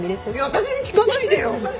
私に聞かないでよ！